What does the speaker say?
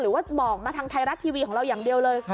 ว่าบอกมาทางไทยรัฐทีวีของเราอย่างเดียวเลย